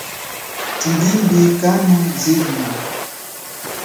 Thumbimbi kana zelula.